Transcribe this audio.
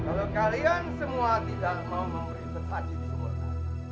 kalau kalian semua tidak mau memberi sesaji di sumur raga